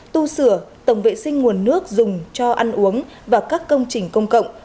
tu sửa tổng vệ sinh nguồn nước dùng cho ăn uống và các công trình công cộng